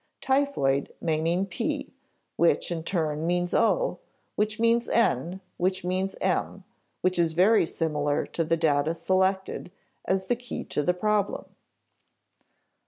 Typhoid may mean p which in turn means o, which means n which means m, which is very similar to the data selected as the key to the problem.